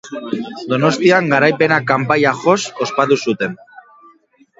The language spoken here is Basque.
Donostian garaipena kanpaiak joz ospatu zuten.